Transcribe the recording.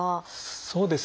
そうですね。